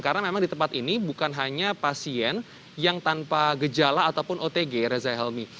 karena memang di tempat ini bukan hanya pasien yang tanpa gejala ataupun otg reza almi